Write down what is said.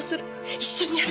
一緒にやる。